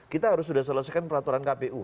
kita harus sudah selesaikan peraturan kpu